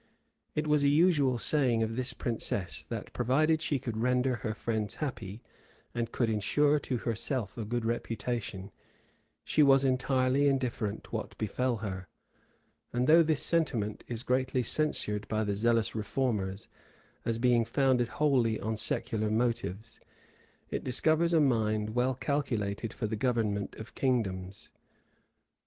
[*] It was a usual saying of this princess, that, provided she could render her friends happy, and could insure to herself a good reputation, she was entirely indifferent what befell her; and though this sentiment is greatly censured by the zealous reformers,[] as being founded wholly on secular motives, it discovers a mind well calculated for the government of kingdoms.